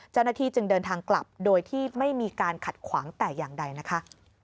เจ้าหน้าที่จึงเดินทางกลับโดยที่ไม่มีการขัดขวางแต่อย่างใดนะคะ